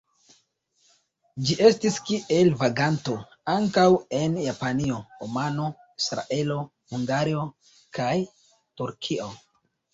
Ĝi estis kiel vaganto ankaŭ en Japanio, Omano, Israelo, Hungario kaj Turkio.